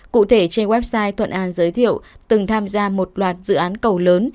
cụ thể trên website thuận an giới thiệu từng tham gia một loạt dự án cầu lớn